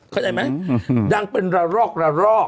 เข้าใจไหมเดินมีดังเป็นรรรอบ